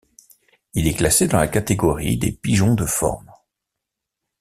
Il est classé dans la catégorie des pigeons de forme.